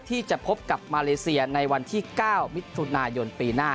ที่จะพบกับมาเลเซียในวันที่๙มิถุนายนปีหน้า